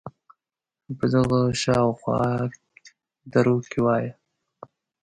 په دغه شااو خوا دروکې وایه